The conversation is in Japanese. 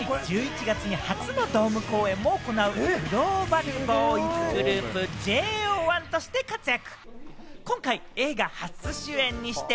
ことし１１月に初のドーム公演を行うグローバルボーイズグループ・ＪＯ１として活躍。